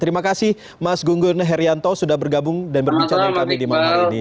terima kasih mas gun gun herianto sudah bergabung dan berbicara dengan kami di malam hari ini